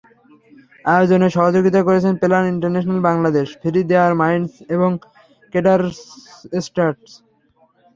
আয়োজনে সহযোগিতা করছে Plan International Bangladesh, Free Their Minds এবং কোডারসস্ট্রাস্ট।